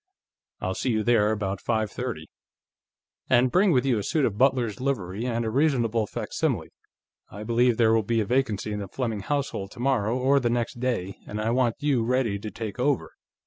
I'll see you there about five thirty. And bring with you a suit of butler's livery, or reasonable facsimile. I believe there will be a vacancy in the Fleming household tomorrow or the next day, and I want you ready to take over.